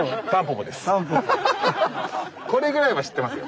これぐらいは知ってますよ。